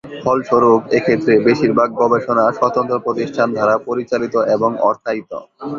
ফলস্বরূপ, এক্ষেত্রে বেশিরভাগ গবেষণা স্বতন্ত্র প্রতিষ্ঠান দ্বারা পরিচালিত এবং অর্থায়িত।